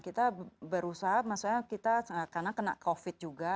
kita berusaha maksudnya kita karena kena covid juga